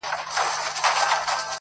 • چي یې نه غواړې هغه به در پیښیږي -